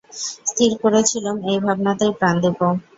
স্থির করেছিলুম এই ভাবনাতেই প্রাণ দেব।